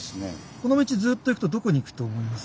この道ずっと行くとどこに行くと思います？